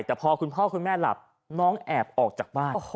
แต่พอคุณพ่อคุณแม่หลับน้องแอบออกจากบ้าน